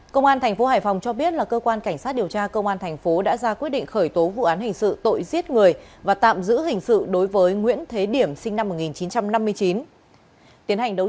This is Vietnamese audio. công an tp hải phòng cho biết là cơ quan cảnh sát điều tra công an thành phố đã ra quyết định khởi tố vụ án hình sự tội giết người và tạm giữ hình sự đối với nguyễn thế điểm sinh năm một nghìn chín trăm năm mươi chín